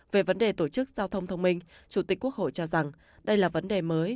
về vấn đề tổ chức giao thông thông minh chủ tịch quốc hội cho rằng đây là vấn đề mới